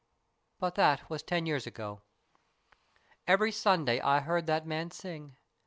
" But that was ten years ago. Every Sunday I heard that man sing.